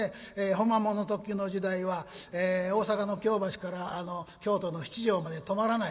ほんまもんの特急の時代は大阪の京橋から京都の七条まで止まらないという。